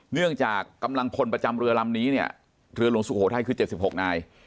เนื่องจากกำลังพลประจำเรือลำนี้เนี่ยเรือหลวงสุโขทัยคือ๗๖นาย